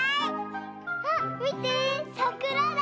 あっみてさくらだ！